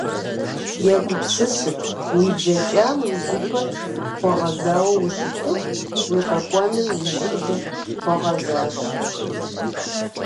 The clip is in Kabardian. Егупсысыт: уи блэкӏам уи гупэр хуэгъэзауэ ущытыху, уи къэкӏуэнум уи щӏыбыр хуэгъэзащ.